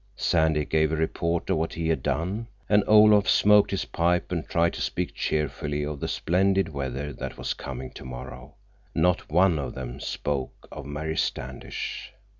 Sandy gave a report of what he had done, and Olaf smoked his pipe and tried to speak cheerfully of the splendid weather that was coming tomorrow. Not one of them spoke of Mary Standish.